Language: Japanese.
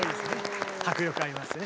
迫力ありますね。